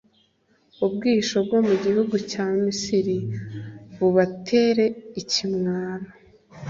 ubwihisho bwo mu gihugu cya Misiri, bubatere ikimwaro,